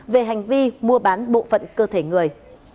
về hành vi mua bán bộ phận cơ thể người